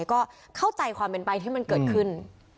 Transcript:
ก็เข้าใจความเป็นไปที่มันเกิดขึ้น